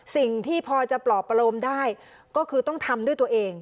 สิ่งที่พอจะปลอบประโลมได้ก็คือต้องทำด้วยตัวเอง